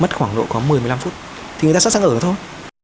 mất khoảng độ có một mươi một mươi năm phút thì người ta sẵn sàng ở thôi